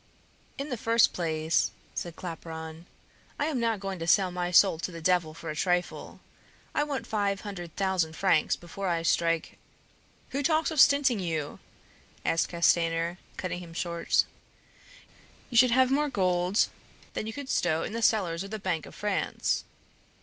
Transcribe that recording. "In the first place," said Claparon, "I am not going to sell my soul to the Devil for a trifle. I want five hundred thousand francs before I strike " "Who talks of stinting you?" asked Castanier, cutting him short. "You should have more gold than you could stow in the cellars of the Bank of France."